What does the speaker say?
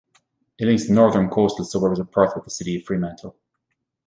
It links the northern coastal suburbs of Perth with the city of Fremantle.